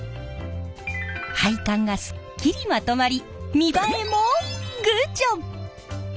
配管がすっきりまとまり見栄えもグッジョブ！